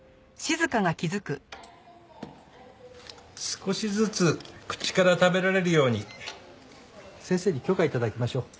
少しずつ口から食べられるように先生に許可頂きましょう。